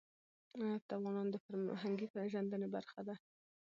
نفت د افغانانو د فرهنګي پیژندنې برخه ده.